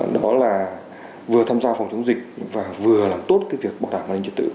đó là vừa tham gia phòng chống dịch và vừa làm tốt cái việc bảo đảm an ninh trật tự